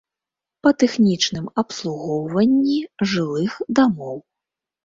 Па тэхнічным абслугоўванні жылых дамоў.